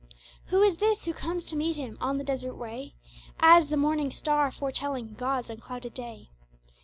Who is this who comes to meet me On the desert way, As the Morning Star foretelling God's unclouded day?